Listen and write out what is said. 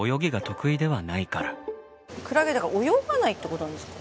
クラゲ泳がないってことなんですか？